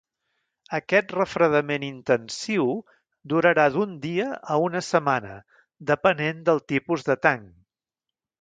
Aquest refredament intensiu durarà d'un dia a una setmana, depenent del tipus de tanc.